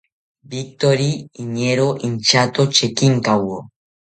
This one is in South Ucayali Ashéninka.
Victori iñeero inchato chekinkawo